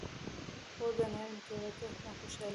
خور د ناوې د واده نه خوشحالېږي.